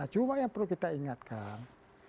cuma yang perlu kita ingatkan